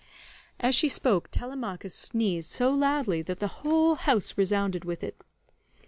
As she spoke Telemachus sneezed so loudly that the whole house resounded with it.